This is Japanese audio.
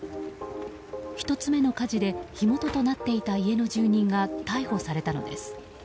１つ目の火事で火元となっていた家の住人が逮捕されたのです。